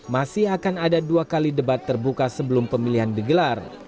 masih akan ada dua kali debat terbuka sebelum pemilihan digelar